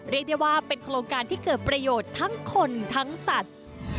เรียกได้ว่าเป็นโครงการที่เกิดประโยชน์ทั้งคนทั้งสัตว์